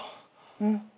うん。